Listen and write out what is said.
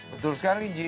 betul sekali ji